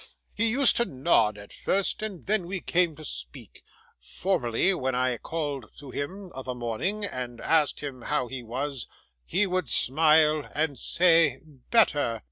He used to nod, at first, and then we came to speak. Formerly, when I called to him of a morning, and asked him how he was, he would smile, and say, "Better!"